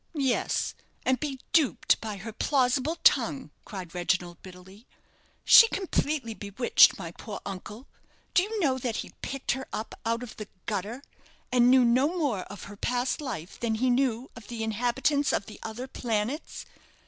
"Yes, and be duped by her plausible tongue," cried Reginald bitterly." She completely bewitched my poor uncle. Do you know that he picked her up out of the gutter, and knew no more of her past life than he knew of the inhabitants of the other planets?